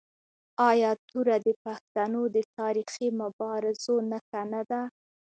آیا توره د پښتنو د تاریخي مبارزو نښه نه ده؟